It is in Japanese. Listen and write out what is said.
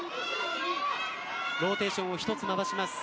ローテーションを一つ回します。